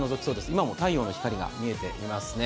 今も太陽の光が見えていますね。